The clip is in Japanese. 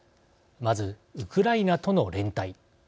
まずウクライナとの連帯